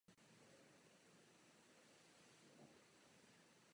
Je Komise téhož názoru?